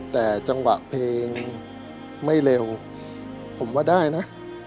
แต่จังหวะเพลงไม่เร็วผมว่าได้นะ